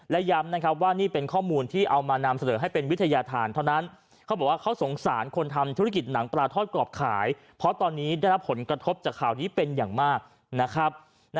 และย้ำนะครับว่านี่เป็นข้อมูลที่เอามานำเสนอให้เป็นวิทยาฐานเท่านั้นเขาบอกว่าเขาสงสารคนทำธุรกิจหนังปลาทอดกรอบขายเพราะตอนนี้ได้รับผลกระทบจากข่าวนี้เป็นอย่างมากนะครับ